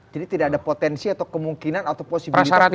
jadi tidak ada potensi atau kemungkinan atau posibilitas menjadi diktator